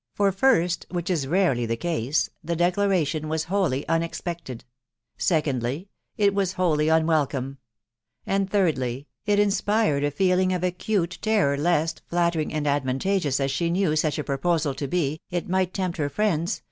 .., for first, which » rarely the case, the 9 declaration was wholly unexpected ; secondly, it was wholly ■ unwelcome ; and, thirdly, it inspired a feeling of acute terror v lest, flattering and advantageous as she knew such a proposal 1 to be, it might tempt her friends